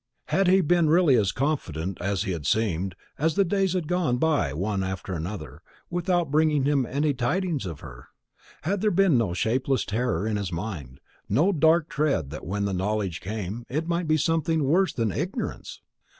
Had he been really as confident as he had seemed, as the days had gone by, one after another, without bringing him any tidings of her? had there been no shapeless terror in his mind, no dark dread that when the knowledge came, it might be something worse than ignorance?